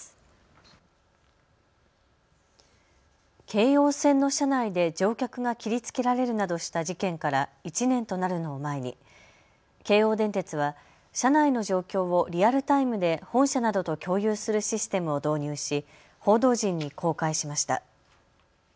京王線の車内で乗客が切りつけられるなどした事件から１年となるのを前に京王電鉄は車内の状況をリアルタイムで本社などと共有するシステムを導入し報道陣に公開しました。